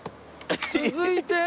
続いて？